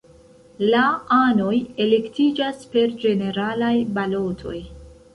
La anoj elektiĝas per ĝeneralaj balotoj.